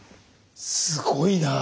すごいなぁ。